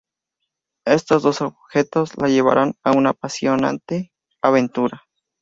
Estos dos objetos la llevarán a una apasionante aventura.